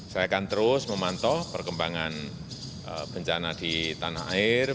saya akan terus memantau perkembangan bencana di tanah air